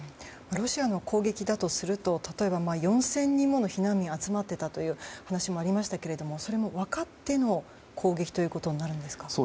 ロシアの攻撃だとすると例えば４０００人もの避難民が集まっていたという話もありましたけどそれも分かっての攻撃となるんですか？